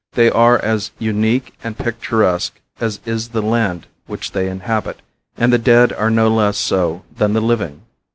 They are as unique and picturesque as is the land which they inhabit; and the dead are no less so than the living.